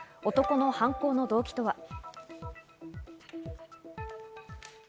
男の犯行の動機とは？